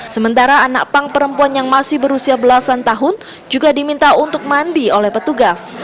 sementara anak pang perempuan yang masih berusia belasan tahun juga diminta untuk mandi oleh petugas